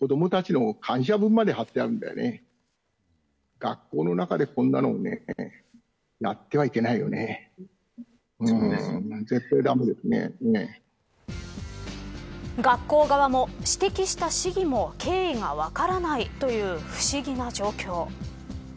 学校側も、指摘した市議も経緯が分からないという不思議な状況。